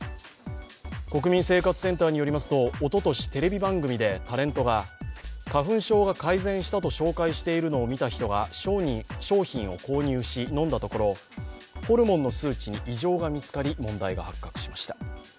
国民生活センターによりますとおととしテレビ番組でタレントが花粉症が改善したと紹介しているのを見た人が商品を購入し飲んだところ、ホルモンの数値に異常が見つかり問題が発覚しました。